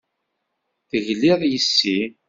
Tegliḍ yes-i.